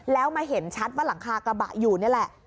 แล้วมาเห็นชัดว่าหลังคากระบะอยู่นี่แหละ